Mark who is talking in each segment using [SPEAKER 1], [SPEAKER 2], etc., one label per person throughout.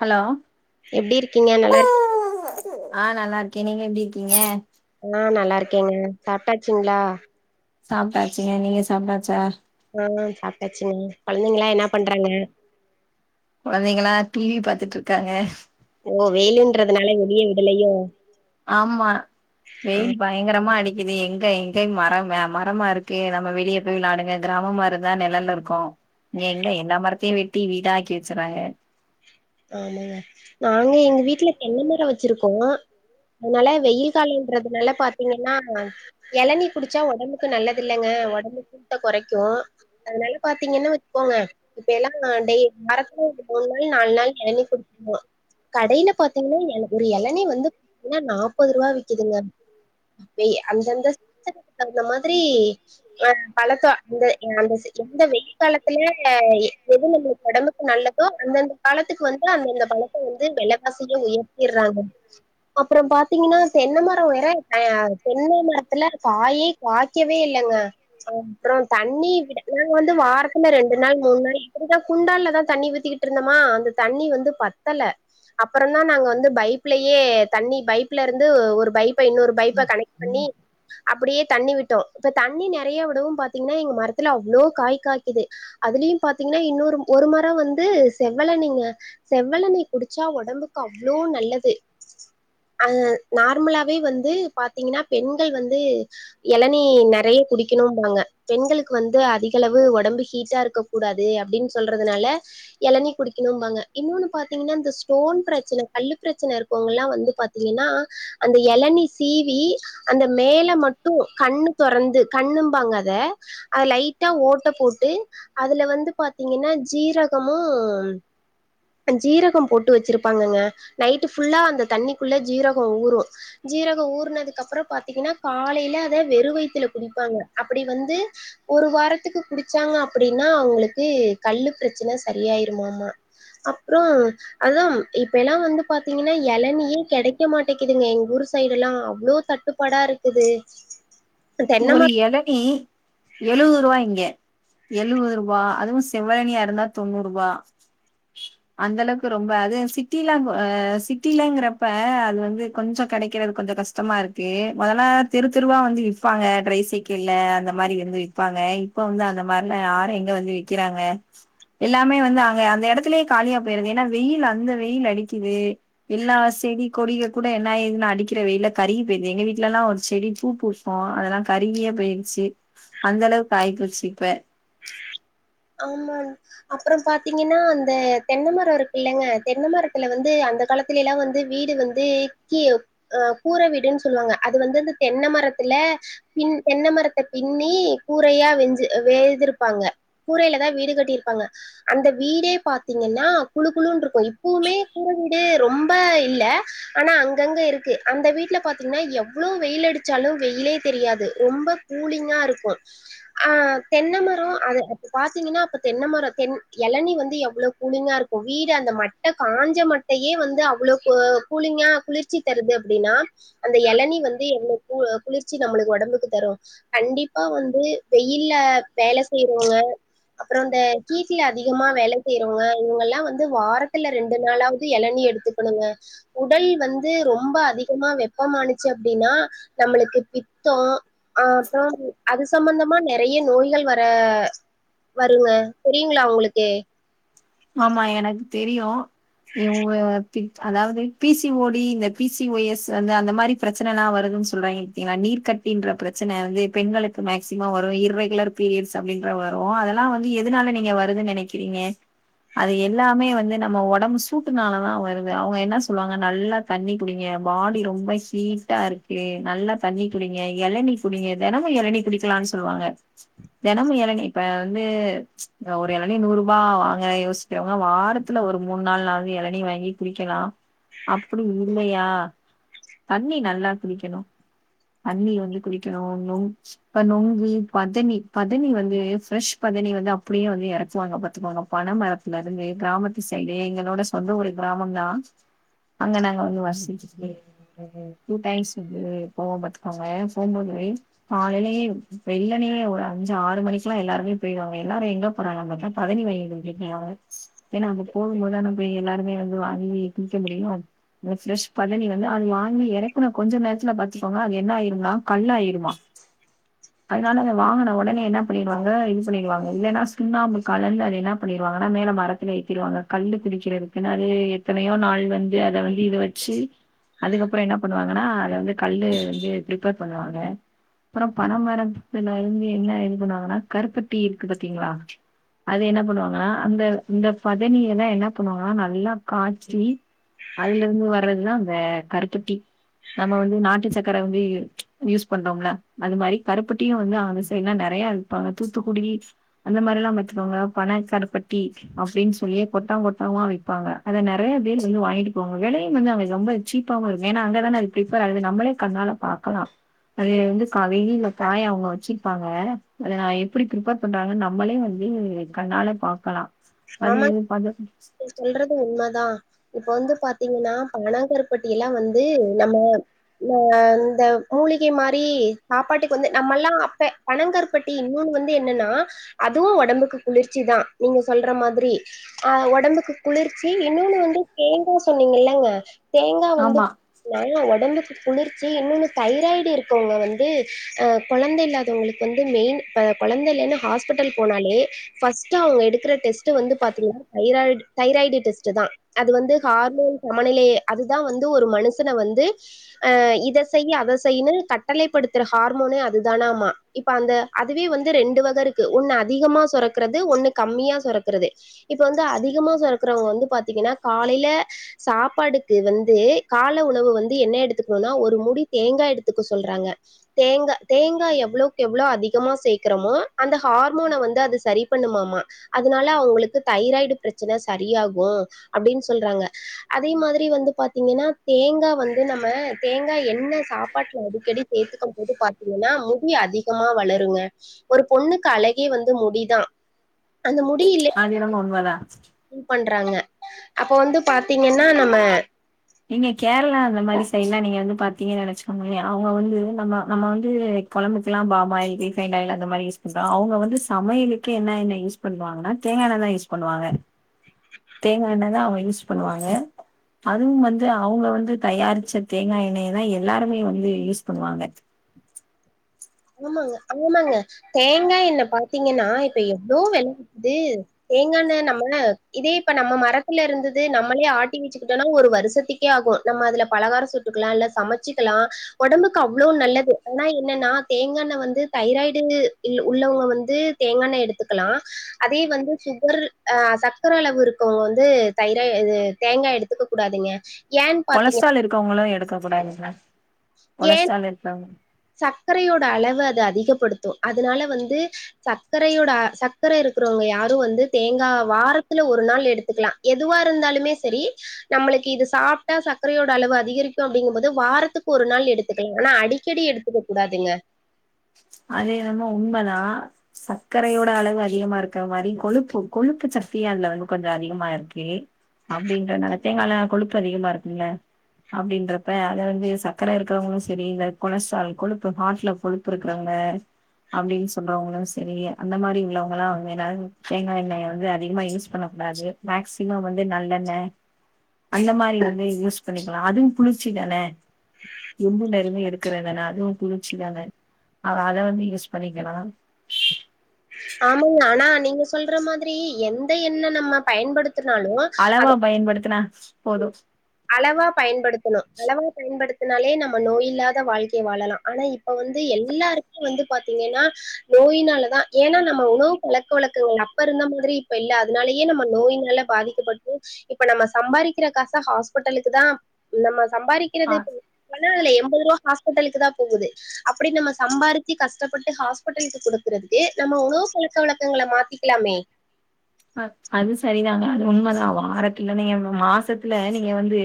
[SPEAKER 1] Hello
[SPEAKER 2] எப்டி இருக்கீங்க நல்லா இருக்
[SPEAKER 1] கே நீங்க எப்டி இருக்கீங்க
[SPEAKER 2] ஆ நல்லா இருக்கேங்க சாப்பிட்டாச்சிங்களா
[SPEAKER 1] சாப்பிட்டாச்சிங்க நீங்க சாப்பிட்டாச்சா
[SPEAKER 2] ஆ சாப்பிட்டாச்சுங்க கொழந்தைங்களா என்னாப் பண்றாங்க
[SPEAKER 1] கொழந்தைங்களா டிவி பாத்துட்டு இருக்காங்க
[SPEAKER 2] ஓ வெயிலுன்றதுனால வெளியே விடலையோ
[SPEAKER 1] ஆமா
[SPEAKER 2] ஆ
[SPEAKER 1] வெயில் பயங்கரமா அடி இது எங்க எங்கயு மரம் மரமா இருக்கு நம்ம வெளியே போய் விளையாடுங்க கிராமமா இருந்தா நெழல்ல இருக்கு இங்க எங்க எல்லா மரத்தையு வெட்டி வீடாக்கி வச்சறாங்க
[SPEAKER 2] ஆமாங்க நாங்க எங்க வீட்டுல தென்ன மரோ வச்சிருக்கோ அதனால வெயில் காலன்றதுனால பாத்தீங்கன்னா எளநீ குடிச்சா ஒடம்புக்கு நல்லது இல்லங்க அ ஒடம்பு சூட்ட கொறைக்கு அதனால பாத்தீங்கன்னா வச்சுக்கோங்க இப்ப எல்லா டெய் வாரத்துல மூணு நாள் நாலு நாள் எளநீ குடிப்போ கடையில பாத்தீங்கன்னா எள ஒரு எளநீ வந்து ங்கன்னா நாப்பது ரூபா விக்கிதுங்க வெய் அந்தந்த தகுந்த மாதிரி அ பழத்த அந்த அந்த சி எந்த வெயில் காலத்துல எ எது நம்ம ஒடம்புக்கு நல்லதோ அந்தந்த காலத் த்துக்கு வந்து அந்தந்த பழத்தை வந்து வெலவாசிய உயர்த்திடுறாங்க அப்புறம் பாத்தீங்கன்னா தென்ன மரோ வேற தெ தென்னை மரத்துல காயே காய்க்கவே இல்ல ங்க அப்புறோ தண்ணி விட நாங்க வந்து வாரத்துல ரெண்டு நாள் மூணு நாள் இப்டிதா குண்டான்லதா தண்ணி ஊத்திக்கிட்டு இருந்தமா அந்த தண்ணி வந்து பத்தல அப்புற தா நாங்க வந்து பைப்லயே தண்ணி பைப்ல இருந்து ஒரு பைப்ப இன்னொரு பைப் ப்ப கனெக்ட் பண்ணி அப்டியே தண்ணி விட்டோ இப்ப தண்ணி நெறைய விடவு பாத்தீங்கன்னா எங்க மரத்துல அவ்ளோ காய் காய்குது அதுலய் யு பாத்தீங்கன்னா இன்னொரு ஒரு மரம் வந்து செவ்வெளநீங்க செவ்வெளநீ குடிச்சா ஒடம்புக்கு அவ்ளோ நல்லது ஆ நார்மலாவே வந்து பாத்தீங்கன்னா பெண்கள் வந்து எளநீ நெறை ய குடிக்கணும்பாங்க பெண்களுக்கு வந்து அதிக அளவு ஒடம்பு ஹீட்டா இருக்கக்க கூடாது அப்டின்னு சொல்றதுனால எளநீ குடிக்கணும்பாங்க இன்னொன்னு பாத்தீங்கன்னா இந்த ஸ்டோன் பிரச்சனை கல்லு பிரச்சனை இருக்கவங்கல்லா வந்து பாத்தீங்கன்னா அந்த எள நீ சீவி அந்த மேல மட்டு கண்ணு தொறந்து கண்ணும்பாங்க அத அதுல லைட்டா ஓட்ட போட்டு அதுல வந்து பாத்தீங்கன்னா ஜீரகமு ஜீரகம் போட்டு வச்சிருப்பாங்கங்க நைட்டு ஃபுல்லா அந்த தண்ணிக்குள்ள ஜீரகோ ஊறு ஜி ரகோ ஊறனதுக்கு அப்புறோ பாத்தீங்கன்னா காலையில அத வெறு வயத்துல குடிப்பாங்க அப்டி வந்து ஒரு வாரத்துக்கு குடிச்சாங்க அப்டின்னா அவங்களுக்கு கல்லுப் பிரச்சனை சரியாயிருமாமா அப் அப்புறம் அதான் இப்ப எல்லாம் வந்து பாத்தீங்கன்னா இளநீயே கிடைக்க மாட்டேக்குதுங்க எங்க ஊர் சைடு எல்லாம் அவ்வளோ தட்டுப்பாடா இருக்குது தென்ன
[SPEAKER 1] ஒரு
[SPEAKER 2] மரோ
[SPEAKER 1] இளநி எழுவது ரூபாய்ங்க எழுவது ரூபா அதுவும் செவ்வழினியா இருந்தா தொண்ணூறு ரூபாய அந்த அளவுக்கு ரொம்ப அது சிட்டிலாம் சிட்டிலங்கிறப்ப அது வந்து கொஞ்சம் கிடை இருக்கிறது கொஞ்சம் கஷ்டமா இருக்கு முதல்ல தெரு தெருவா வந்து விப்பாங்க ட்ரை சைக்கிள்ல அந்த மாதிரி வந்து விற்பாங்க இப்ப வந்து அந்த மாதிரில யார எங்க வந்து விற்கிறாங்க எல்லாமே வந்து அங்க அந்த இடத்துலயே காலியா போயடுது ஏன்னா வெயில் அந்த வெயில் செடி கொடிக கூட என்ன ஆயுதுன்னா அடிக்கிற வெயில கருக போயிருது எங்க வீட்டுல எல்லாம் ஒரு செடி பூ பூ அ அதெல்லாம் கருவியே போயிருச்சு அந்த அளவுக்கு ஆய் போச்சிப்ப
[SPEAKER 2] ஆமா அப்புறம் பாத்தீங்கன்னா அந்த தென்னைமரம் இருக்கு இல்லங்க தென்னைமரத்துல வந்து அந்த காலத்தில எல்லாம் வந்து வீடு வந்து கீ கூரை வீடுன்னு சொல்லுவாங்க அது வந்து தென்னை மரத்தை த்துல பின் தெனை மரத்தை பின்னி கூறையா வெஞ்சு வேருப்பாங்க கூரையில தான் வீடு கட்டியிருப்பாங்க அந்த வீடே பாத்தீங்கன்னா வீடு ரொம்ப இல்ல ஆனா அங்கங்க இருக்கு அந்த வீட்டல பாத்தீங்கன்னா எவ்வளவு வெயில் அடிச்ச வெயிலே தெரியாது ரொம்ப கூலிங்கா இருக்கும்ஹ தென்னை மரம் அத பாத்தீங்கன்னா அப்ப தென்னை மரம் தென் தையே வந்து அவ்ள கூலிங்கா குளிர்ச்சி தருது அப்படின்னா அந்த இளனி குளிர்ச்சி நம்மளுக்கு உடம்புக்கு தரும் கண்டிப்பா வந்து வெயில்ல வேலை செய்யறவங்க அப்புறம் இந்த ஹிட்டுல அதிகமா வேலை செய்யறவங்க இவங்க எல்லாம் வந்து வாரத்துல ரெண்டு நாளாவது இளநி எடுத்துக்கணுங்க உடல் வந்து ரொம்ப அதிகமா வெப்பம் ஆச்சு அப்படின்னா நம்ம அக்கு பித்தம் அஹ் அப்புறம் அது சம்பந்தமா நிறைய நோய்கள் வர வருங்க தெரியுங்களா உங்களுக்கு
[SPEAKER 1] ஆமா எனக்கு தெரியும் அதாவது பிசி ஓடி இந்த பிசிஓஎஸ் வந்து அந்த மாதிரி பிரச்சனை எல்லாம் வருது சொல்றாங்க பாத்திங்களா நீர்கட்டி என்ற பிரச்சனை வரும் அதெல்லாம் வந்து எதுனால நீங்க வருதுன்னு நினைக்கிறீங்க அது எல்லாமே வந்து நம்ம உடம்பு ங்க பாடி ரொம்ப ஹீட்டா இருக்கு நல்லா தண்ணி குடிங்க லனு சொல்லுவாங்க யோசிக்கரவங்க வாரத்துல ஒரு மூணு நாள் ந வந்து இளனீ வாங்கி அப்படி இல்லையா தண்ணி நல்லா குடிக்கணும் தண்ணி வந்து குளிக்கணும் நுங்கு பதனிய வந்து அப்படியே வந்து இறக்குவாங்க பத்துக்கோங்க பனைமரத்துல இருந்து கிராமத்து சைடு எங்களோட சொந்த ஒரு கிராமம்தான் அங்க நாங்க வந்து வச டூ டைம்ஸ் வந்து போவ பாத்துக்கோங்க போகும்போது ய் காையிலயே வெள்ளனே ஒரு அஞ்சு ஆறு மணிக்கு எல்லாம் எல்லாருமே போயவாங்க எல்லாரும் எங்க போராக அதான் பதினி ஏன்னா அங்க போகும்போதுதான போய் எல்லாருமே வந்து வாங்க குடிக்க முடியும் ப்ரெஷ் பதனி வந்து அது வாங்கி இறக்குன கொஞ்சம் நேரத்துல பாத்துக்கோங்க அது என்ன ஆயிரும்மா கல்ல ஆயிருமா அதனால அத வாங்கின உடனே என்ன பண்ணிடுவாங்க, இது பண்ணிடுவாங்க. இல்லைன்னா, சுண்ணாம்பு கலந்து அது என்ன பண்ணடுவாங்க, மேல மரத்தில ஏத்திடுவாங்க. கல்லு பிடிக்கிறதுக்குது. எத்தனையோ நாள் வந்து, அத வந்து இது வச்சு அதுக்கப்புறம் என்ன பண்ணுவாங்கன்னா, அத வந்து கல்லு வந்து பிரிப்பர் பண்ணுவாங்க. அப்புறம் பண மரத்துல இருந்து என்ன இருக்கனாங்கன்னா, கருப்பட்டி இருக்கு பாத்தீங்களா? அது என்ன பண்ணுவாங்கன்னா, அந்த, இந்த பதனியல்லாம் என்ன பண்ணுவாங்கன்னா, நல்லா காய்ச்சி அதுல இருந்து வர்றதுதான், இந்த கருப்பட்டி நம்ம வந்து நாட்டு சக்கரை வந்து யூஸ் பண்றோம்ல, அது மாதிரி கருப்பட்டியும் வந்து அந்த சைடலாம் நிறைய ப்பாங்க. தூத்துக்குடி அந்த மாதிரி எல்லாம் பாத்துக்கோங்க பண கருக் பட்டி அப்படின்னு சொல்லியே, கொட்டா, கொட்டா விப்பாங்க. அதை நிறைய பேர் வந்து வாங்கிட்டு போவாங்க, விலையும் வந்து ரொம்ப சீப்பாவு இருக்கு ஏன்னா அங்கதானே அது பிரேபர் அகுது நம்மலே கண்ணால பாக்கலா அது வந்து காலைல காய் அவங்க வச்சிருப்பாங்க அத நா எப்டி பிரேபர் பண்றாங்க நம்மளே வந் து கண்ணால பா
[SPEAKER 2] ஆமா நீங்க சொல்றது உண்ம தா இப்ப வந்து பாத்தீங்ன்னா பணங்கருப்பட்டி எல்லா வந்து நம்ம இந்த இந்த மூலிகை மாரி சாப்பாட்டுக்கு வந்து நம்மல்லா அப்ப பனங்கருப்பட்டி இன்னு து வந்து என்னன்னா அதுவு ஒடம்புக்கு குளிர்ச்சி தா நீங் சொல்ற மாதிரி அ ஒடம்புக்கு குளிர்ச்சி இன்னொன்னு வந்து தேங்கா சொன்னீங்கல்லங்க தேங்கா வந்து
[SPEAKER 1] ஆமா
[SPEAKER 2] நல்ல ஒடம்புக் குளிர்ச்சி இன்னொன்னு தைராய்டு இருக்கவங்க வந்து குழந்தை இல்லாதவங்களுக்கு வந்து மெயின் கொழந்த இல்லன்னு ஹாஸ்பிட்டல் போனாலே ஃபர்ஸ்ட் அவங்க எடுக்கிற டெஸ்ட் வந்து பாத்தீங்ன்னா தைராய்டு தைராய்டு டெஸ்ட் தா அது வந்து ஹார்மோன் சமநிலை அதுதா வந்து ஒரு மனுஷன வந்து அ இத செய் அத செய்யுனு கட்டளைபடுத்துற ஹார்மோனே அது தானமா இப்ப அந்த அதுவே வந்து ரெண்டு வகருக்கு ஒன்னு அதிகமா சொரக்கறது ஒன்னு கம்மியா சொரக்க இருக்கிறது இப்ப வந்து அதிகமா சொரக்கிறவங்க வந்து பாத்தீங்கன்னா காலையில சாப்பாடுக்கு வந்து து கால உணவு வந்து என்ன எடுத்துக்கணும்னா ஒரு முடி தேங்கா எடுத்துக்க சொல்றாங்க தேங்கா தேங்கா தேங்கா எவ்வோளக்கு எவ்ளோ அதிகமா சேக்கறோமோ அந்த ஹார்மோன வந்து அது சரி பண்ணுமாமா அது அதுனால அவங்களுக்கு தைராய்டு பிரச்சனை சரியாகு அப்டின் சொல்றாங்க அதே மாதிரி வந்து ப பாத்தீங்கன்னா தேங்கா வந்து நம்ம தேங்கா என்ன சாப்பாட்டுல அடிக்கடி சேத்துக்கு போது பாத்தீங்கன்னா அ முடி அதிகமா வளருங்க ஒரு பொண்ணுக்கு அழகே வந்து முடிதா
[SPEAKER 1] உ
[SPEAKER 2] அந்த முடியிலே பண்றாங்க அப்போ வந்து பாத்தீங்கன்னா நம்ம
[SPEAKER 1] நீங்க கேரளா அந்த மாரி சைட்லா நீங்க வந்து பாத்தீங்ன்னா வச்சுகோங்களே அவங்க வந்து நம்ம நம்ம வந்து கொழம்புகெல்லா பாமாயில் ரீஃபைன்ட் ஆயில் அந்த மாரி யூஸ் பண்றோ அவுங்க வந்து சமையலுக்கே என்ன எண்ண யூஸ் பண்ணுவாங்னா தேங்கா எண்ண தா யூஸ் பண்ணுவாங்க தேங்கா எண்ண தா அவங்க யூஸ் பண்ணுவாங்க அதுவு வந்து து அவுங்க வந்து தயாரிச்ச தேங்கா எண்ணெய தா எல்லாருமே வந்து யூஸ் பண்ணுவாங்க ஆ
[SPEAKER 2] ஆமாங்க ஆமாங்க தேங்கா எண்ண பாத்தீங்கன்னா இப்ப எவ்ளோ வெல விக்குது தேங்கா எண்ண நம்ம இதே இப்ப நம்ம மரத்துல இருந்துது நம்மளே ஆட்டி வச்சுகிட்டோம்னா ஒரு வருஷத்துக்கே ஆகு நம்ம அதுல பலகார சுட்டுக்லா இல்ல சமைச்சிக்லா ஒடம்புக்கு அவ்ளோ நல்லது ஆனா என்னன்னா தேங்கா எண்ண வந்து தைராய்டு உள்ளவங்க வந்து தேங்காண்ண எடுத்துக்கலா அதே வந்து சுகர் அ சக்கர அளவு இருக்கவங்க வந்து தைரா தேங்கா எடுத்துக்க கூடாதுங்க ஏன்னு பாத்தீங்க
[SPEAKER 1] கொலஸ்ட்ரால் இருக்கவங்களு எடுக்க கூடாதுங்க கொலஸ்ட்ரால் இருக்கவ
[SPEAKER 2] சக்கரையோட அளவ அது அதிகபடுத்து அதனால வந்து சக்கரையோட சக்கர இரு க்கறவங்க யாரு வந்து தேங்கா வாரத்துல ஒரு நாள் எடுத்துக்கலா எதுவா இருந்தாலுமே சரி நம்ம மளுக்கு இது சாப்ட்டா சக்கரையோட அளவு அதிகரிக்கு அப்படிங்கு போது வாரத்துக்கு ஒரு நாள் எடுத்துக்கலா ஆனா அடிக்கடி எடுத் எடுக்ககூடாதுங்க
[SPEAKER 1] அது என்னமோ உண்மதா சக்கரையோட அளவு அதிகமா இருக்கிற மாரி கொழுப்பு கொழுப்பு சத்தி அதுல வந்து கொஞ்ச அதிகமா இருக்கு அப்படின்றனால தேங்கால கொழுப்பு அதிகமா இருக்கும்ல அப்படின்றப்ப அத வந்து சக்கர இருக்கிறவங்களு சரி இந்த கொலஸ்ட்ரால் கொழுப்பு ஹார்ட்ல கொழுப்பு இருக் றவங்க அப்டின் சொல்றவங்களு சேரி அந்த மாரி உள்ளவங்கல்லா வந்து ஏன்னா தேங்கா எண்ணெய வந்து அதிகமா யூஸ் பண்ண டாது மேக்சிமம் வந்து நல்லண்ண அந்த மாரி வந்து யூஸ் பண்ணிகலா அதுவு குளிர்ச்சி தான எந்த நேரமு எடுக்கற தான அதுவு குளிர்ச்சிதான அ அத வந்து யூஸ் பண்ணிக்கலா
[SPEAKER 2] ஆமாங்க ஆனா நீங்க சொல்ற மாதிரி எந்த எண்ண நம்ம பயன்படு த்துனாலு
[SPEAKER 1] அளவா
[SPEAKER 2] அது
[SPEAKER 1] பயன்படுத்துனா போதும்
[SPEAKER 2] அளவா பயன்படுத்தணு அளவா பயன்படுத் துனாலே நம்ம நோய் இல்லாத வாழ்க்கை வாழலா ஆனா இப்ப வந்து எல்லாருக்கும் வந்து பாத்தீங்கன்னா நோயினால தா ஏனா நம்ம உணவு பழக்க வழக்கங்கள் அப்ப இருந்த மாதிரி இப்ப இல்ல அதனாலயே நம்ம நோயினால பா பாதிக்கப்பட்டு இப்ப நம்ம சம்பாரிக் கற காச ஹாஸ்பிட்டலுக்கு தா நம்ம
[SPEAKER 1] அ
[SPEAKER 2] சம்பாரிக்கிறது [unintelligible] னா அதுல எம்பது ரூபா ஹாஸ்பிட்டலுக்கு தா போகுது அப்படி நம்ம சம்பாரிச்சு கஷ்டப்பட்டு ஹாஸ்பிட்டலுக்கு குடுக்கற துக்கு நம்ம உணவு பழக்க வழக்கங்கள மாத்திக்கலாமே
[SPEAKER 1] அ அது சரிதாங்க அது உண்மதா வாரத்துல நீங்க மாசத்துல நீங்க வந்து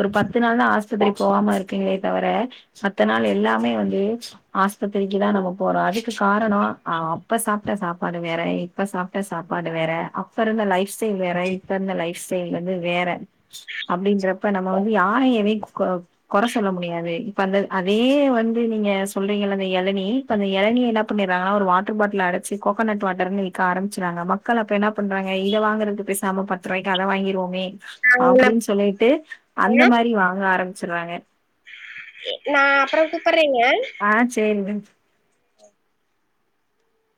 [SPEAKER 1] ஒரு பத்து நாள் தா ஆஸ்பத்திரி போகாம இருக்கீங்களே தவர மத்த நாள் எல்லாமே வந்து ஆஸ்பத்தி ரிக்கி தா நம்ம போறோம் அதுக்கு காரணோ அ அப்ப சாப்ட்ட சாப்பாடு வேற இப்ப சாப்ட்ட சாப்பாடு வேற அப்ப இருந்த லைஃப் ஸ்டைல் வேற இப்ப இருந்த லைப் ஸ்டைல் வந்து வேற அப்படின்றப்ப நம் ம வந்து யாரை எது கொ கொற சொல்ல முடியாது இப்ப அந்த அதயே வந்து நீங்க சொல்றீங்கல எளனி இப்ப அந்த எளனிய என்ன பண்ணிராங்கனா ஒரு வாட்டரு பாட்டுல்ல அடைச்சு கோக்கோனட் வாட்டர்னு விக்க ஆரம்மிச்சிராங்க மக் கள் அப்ப என்ன பண்றங்க இத வாங்கறக்கு பேசாம பத்து ரூவாய்க்கு அத வாங்கிருவோமே அப்படின்னு சொல்லிட்டு அந்த மாரி வாங்க ஆரம்பிச்சிறாங்க
[SPEAKER 2] நா அப்ரோ கூப்பட்
[SPEAKER 1] ஆ செரி விஞ்